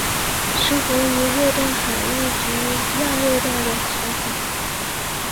生活于热带海域及亚热带的浅海。